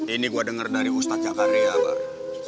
ini gua denger dari ustadz jakaria ya bar